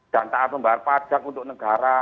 dan tak ada membayar pajak untuk negara